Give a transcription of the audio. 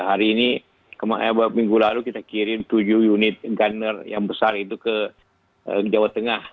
hari ini minggu lalu kita kirim tujuh unit gunner yang besar itu ke jawa tengah